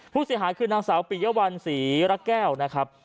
ผู้เสียหายคือนางสาวปิยวัลศรีระแก้วนะครับ